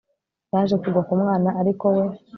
Yaje kugwa ku mwana ariko we